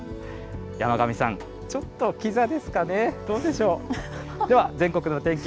山神さん、ちょっときざですかね、どうでしょう。